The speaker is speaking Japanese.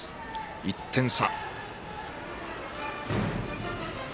１点差。